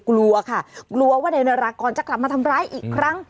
กลัวค่ะกลัวว่านายนารากรจะกลับมาทำร้ายอีกครั้ง